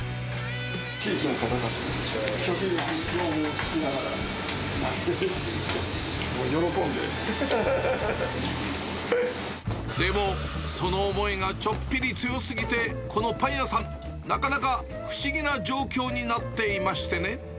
地域の方々の極力、要望聞きでも、その思いがちょっぴり強すぎて、このパン屋さん、なかなか不思議な状況になっていましてね。